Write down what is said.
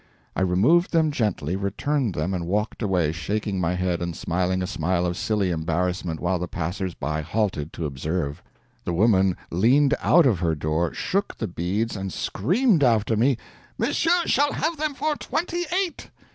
I removed them gently, returned them, and walked away, shaking my head and smiling a smile of silly embarrassment while the passers by halted to observe. The woman leaned out of her door, shook the beads, and screamed after me: "Monsieur shall have them for twenty eight!"